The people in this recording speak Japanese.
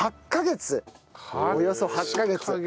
およそ８カ月。